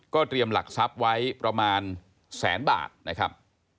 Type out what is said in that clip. เตรียมหลักทรัพย์ไว้ประมาณแสนบาทนะครับ